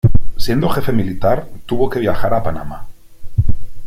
Siendo jefe militar, tuvo que viajar a Panamá.